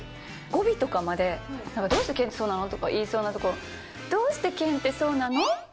語尾とかまで、なんか、どうして健ってそうなの！って言いそうなところを、どうして健ってそうなの？の？